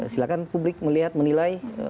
silahkan publik melihat menilai